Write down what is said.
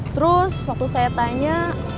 terus waktu saya tanya